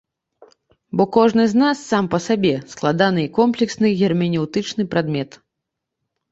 Бо кожны з нас сам па сабе складаны і комплексны герменэўтычны прадмет.